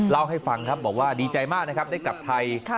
เล่าให้ฟังครับบอกว่าดีใจมากนะครับได้กลับไทย